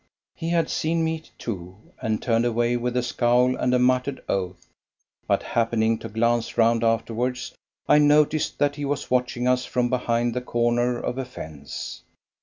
He had seen me, too, and turned away with a scowl and a muttered oath; but happening to glance round afterwards, I noticed that he was watching us from behind the corner of a fence.